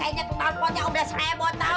kayaknya telpon telponnya udah saya mau tahu